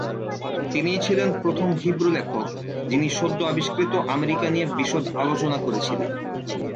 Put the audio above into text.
তিনিই ছিলেন প্রথম হিব্রু লেখক যিনি সদ্য আবিষ্কৃত আমেরিকা নিয়ে বিশদ আলোচনা করেছিলেন।